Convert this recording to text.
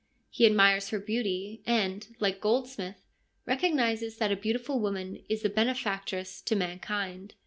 He admires her beauty, and, like Goldsmith, recognises that a beautiful woman is a benefactress to mankind.